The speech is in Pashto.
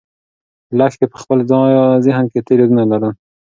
لښتې په خپل ذهن کې تېر یادونه لرل.